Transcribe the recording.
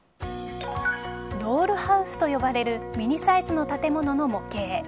ドールハウスと呼ばれるミニサイズの建物の模型。